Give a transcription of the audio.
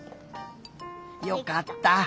よかった！